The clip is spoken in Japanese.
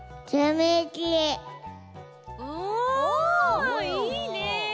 おいいね。